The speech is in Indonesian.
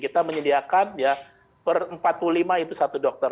kita menyediakan ya per empat puluh lima itu satu dokter